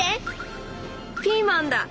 ピーマンだ。